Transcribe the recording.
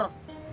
bener juga lu